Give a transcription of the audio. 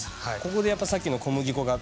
ここでやっぱさっきの小麦粉が。